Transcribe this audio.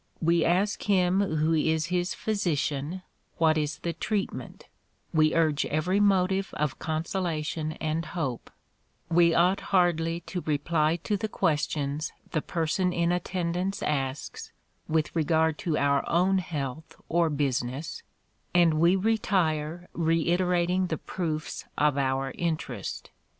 We ask him who is his physician, what is the treatment; we urge every motive of consolation and hope; we ought hardly to reply to the questions the person in attendance asks, with regard to our own health, or business, and we retire reiterating the proofs of our interest.